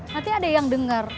nanti ada yang dengar